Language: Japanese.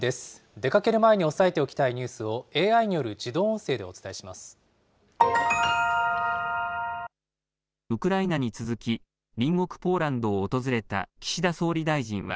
出かける前に押さえておきたいニュースをＡＩによる自動音声でおウクライナに続き、隣国ポーランドを訪れた岸田総理大臣は、